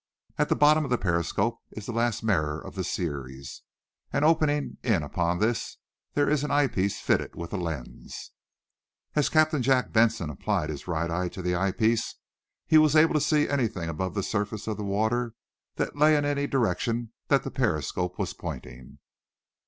At the bottom of the periscope is the last mirror of the series, and, opening in upon this, there is an eyepiece fitted with a lens. As Captain Jack Benson applied his right eye to the eyepiece he was able to see anything above the surface of the water that lay in any direction that the periscope was pointing.